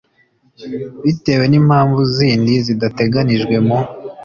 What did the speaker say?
bitewe n impamvu zindi zidateganijwe mu